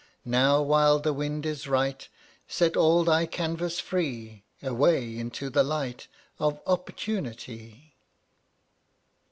Now, while the wind is right, Set all thy canvas free; Away, into the light Of Opportunity!